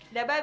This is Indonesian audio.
udah apa be